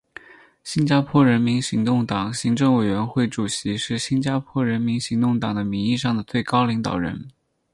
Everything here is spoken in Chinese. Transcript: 新加坡人民行动党行政委员会主席是新加坡人民行动党的名义上的最高领导人。